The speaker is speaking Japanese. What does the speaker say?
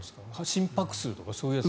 心拍数とかそういうやつ？